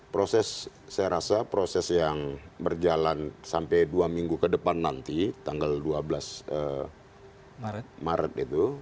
proses saya rasa proses yang berjalan sampai dua minggu ke depan nanti tanggal dua belas maret itu